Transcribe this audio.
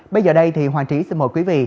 bây giờ đây thì hoàng trí xin mời quý vị